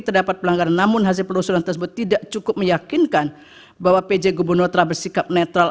terdapat pelanggaran namun hasil penelusuran tersebut tidak cukup meyakinkan bahwa pj gubernur telah bersikap netral